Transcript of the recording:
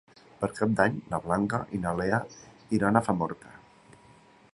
Per Cap d'Any na Blanca i na Lea iran a Famorca.